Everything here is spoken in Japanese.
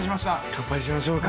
乾杯しましょうか。